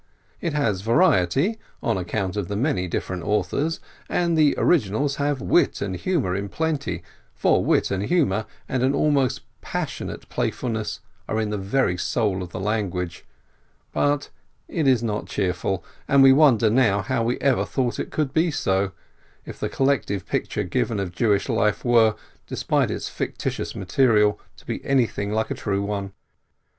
It has variety, on account of the many different authors, and the originals have wit and humor in plenty, for wit and humor and an almost passionate playfulness are in the very soul of the language, but it is not cheerful, and we wonder now how we ever thought it could be so, if the collective picture given of Jewish life were, despite its fictitious material, to be anything like a true one.